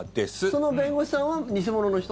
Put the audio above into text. その弁護士さんは偽者の人？